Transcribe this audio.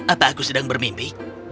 apa aku sedang bermimpi